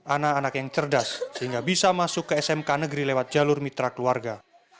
anak anak yang cerdas sehingga bisa masuk ke smk negeri lewat jalur mitra keluarga